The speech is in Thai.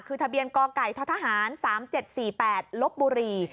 คือทะเบียนกไก่ททหาร๓๗๔๘ลบบุรี